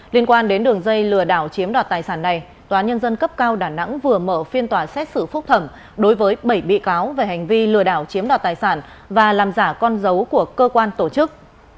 liên quan đến đường dây lừa đảo chiếm đoạt tài sản này tòa nhân dân cấp cao đà nẵng vừa mở phiên tòa xét xử phúc thẩm đối với bảy bị cáo về hành vi lừa đảo chiếm đoạt tài sản và làm giả con dấu của cơ quan tổ chức